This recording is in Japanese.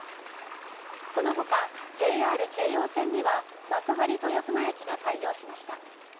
この他、ＪＲ京葉線には幕張豊砂駅が開業しました。